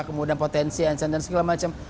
kemudian potensi ancaman dan segala macam